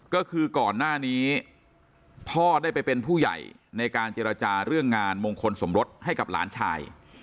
ก็คือก่อนหน้านี้พ่อได้ไปเป็นผู้ใหญ่ในการเจรจาเรื่องงานมงคลสมรสให้กับหลานชาย